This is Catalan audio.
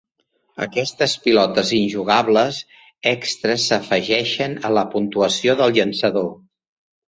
Aquestes pilotes injugables extres s'afegeixen a la puntuació del llançador.